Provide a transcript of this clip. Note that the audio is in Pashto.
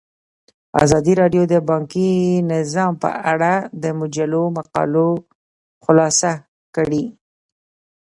ازادي راډیو د بانکي نظام په اړه د مجلو مقالو خلاصه کړې.